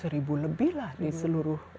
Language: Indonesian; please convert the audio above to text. satu ribu lebih lah di seluruh